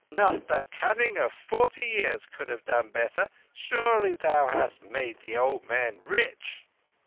"Not the cunning of forty years could have done better. Surely thou hast made the old man rich?"